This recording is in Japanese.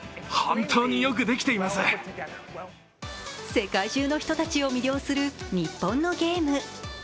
世界中の人たちを魅了する日本のゲーム。